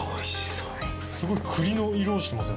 すごい栗の色してますよね。